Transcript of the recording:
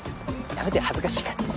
やめてよ恥ずかしいから。